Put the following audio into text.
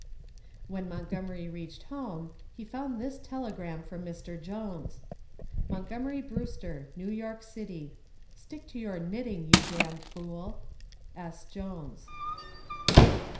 When Montgomery reached home he found this telegram from Mr. Jones: MONTGOMERY BREWSTER, New York City. Stick to your knitting, you damned fool. S. JONES.